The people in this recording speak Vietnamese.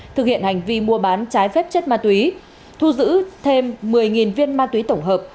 thực hiện hành vi mua bán trái phép chất ma túy thu giữ thêm một mươi viên ma túy tổng hợp